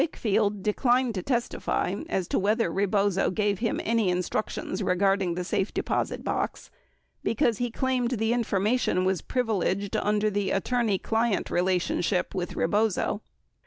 Wakefield declined to testify as to whether Rebozo gave him any instructions regarding the safe deposit box because he claimed the information was privileged under the attorney client relationship with Rebozo.